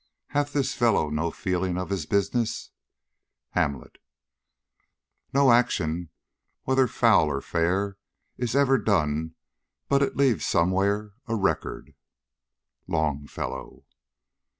Hath this fellow no feeling of his business? HAMLET. No action, whether foul or fair, Is ever done, but it leaves somewhere A record. LONGFELLOW.